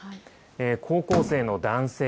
高校生の男性。